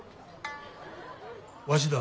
・わしだ。